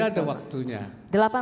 masih ada waktunya